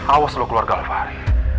awas lo keluarga alfahari